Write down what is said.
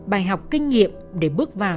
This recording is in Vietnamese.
bài học kinh nghiệm để bước vào